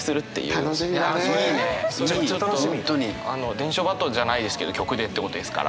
伝書ばとじゃないですけど曲でってことですから。